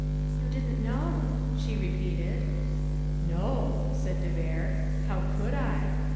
"You didn't know," she repeated. "No," said de Vere; "how could I?"